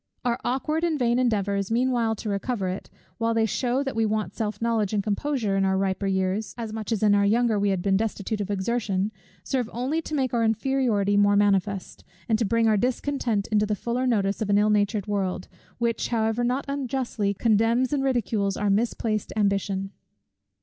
Our aukward and vain endeavours meanwhile to recover it, while they shew that we want self knowledge and composure in our riper years, as much as in our younger we had been destitute of exertion, serve only to make our inferiority more manifest, and to bring our discontent into the fuller notice of an ill natured world, which however not unjustly condemns and ridicules our misplaced ambition.